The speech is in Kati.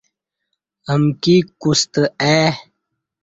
امکی کوو ستہ آئی